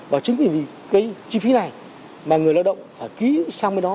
và chính vì cái chi phí này mà người lao động phải ký sang cái đó